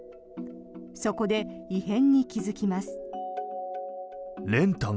そこで異変に気付きます。